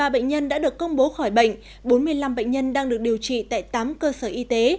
hai trăm hai mươi ba bệnh nhân đã được công bố khỏi bệnh bốn mươi năm bệnh nhân đang được điều trị tại tám cơ sở y tế